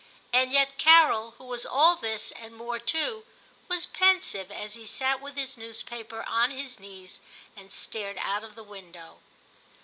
And yet Carol, who was all this, and more too, was pensive as he sat with his news paper on his knees and stared out of window.